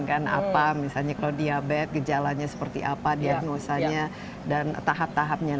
kan apa misalnya kalau diabetes gejalanya seperti apa diagnosanya dan tahap tahapnya